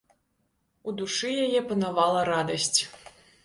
У душы яе панавала радасць.